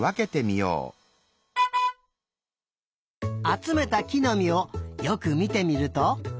あつめたきのみをよくみてみると。